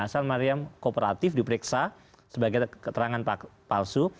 asal mariam kooperatif diperiksa sebagai keterangan palsu